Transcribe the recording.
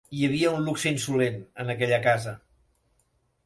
Hi havia un luxe insolent, en aquella casa.